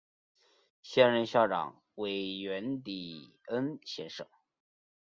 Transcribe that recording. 现任校长为源迪恩先生。